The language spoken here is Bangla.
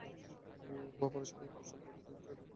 পড়াশোনার এই কোর্স চলাকালীন, তিনি থিয়েটার আর্টসে মাইনর করেছেন।